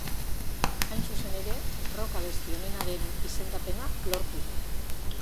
Hain zuzen ere, rock abesti onenaren izendapena lortu du.